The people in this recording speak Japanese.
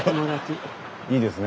いいですね。